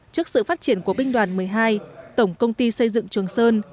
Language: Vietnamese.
trước sự phát triển của binh đoàn một mươi hai tổng công ty xây dựng trường sơn